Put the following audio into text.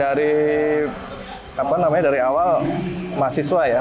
dari apa namanya dari awal mahasiswa ya